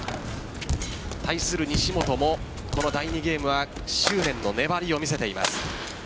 対する西本もこの第２ゲームは執念の粘りを見せています。